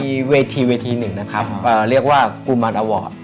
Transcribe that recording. มีเวทีเวทีหนึ่งนะครับเรียกว่ากุมารอ